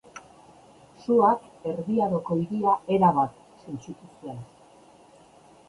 Suak erdi aroko hiria erabat suntsitu zuen.